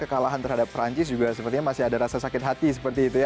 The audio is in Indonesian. kekalahan terhadap perancis juga sepertinya masih ada rasa sakit hati seperti itu ya